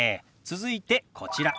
続いてこちら。